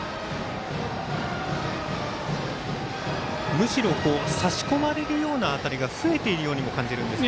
むしろ差し込まれるような当たりも増えているように感じるんですが。